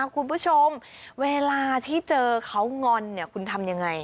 คุณผู้ชมเวลาที่เจอเขางอนคุณทำยังไง